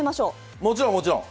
もちろん、もちろん。